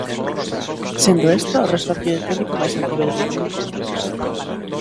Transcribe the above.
Sendo esta o resto arquitectónico máis antigo do conxunto.